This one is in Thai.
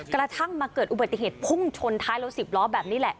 กระทั่งมาเกิดอุบัติเหตุพุ่งชนท้ายรถสิบล้อแบบนี้แหละ